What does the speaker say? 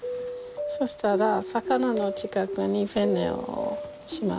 そしたら魚の近くにフェンネルします。